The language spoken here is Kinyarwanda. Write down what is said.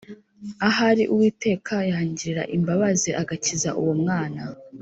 ahari Uwiteka yangirira imbabazi agakiza uwo mwana.